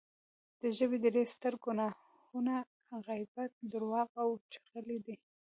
د ژبې درې ستر ګناهونه غیبت، درواغ او چغلي دی